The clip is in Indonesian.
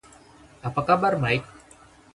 Apa kabar, Mike?